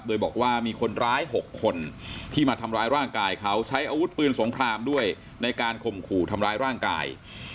โดยบอกว่ามีคนร้าย๖คนที่มาทำร้ายร่างกายเขาใช้อาวุธปืนสงครามด้วยในการข่มขู่ทำร้ายร่างกาย